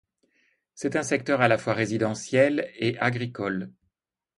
C'est un secteur à la fois résidentiel et agricole.